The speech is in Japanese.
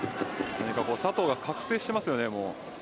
佐藤が覚醒していますよね